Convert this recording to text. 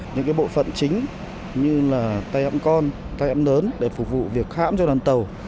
những cái bộ phận chính như là tay ấm con tay ấm lớn để phục vụ việc hãm cho đoàn tàu